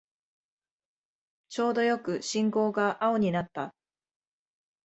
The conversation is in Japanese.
ちょうどよく信号が青になった